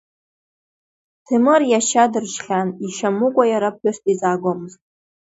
Ҭемыр иашьа дыршьхьан, ишьа мукәа иара ԥҳәыс дизаагомызт.